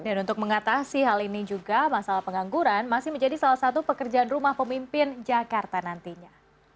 dan untuk mengatasi hal ini juga masalah pengangguran masih menjadi salah satu pekerjaan rumah pemimpin jakarta nantinya